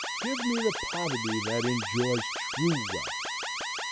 Give me the poverty that enjoys true wealth.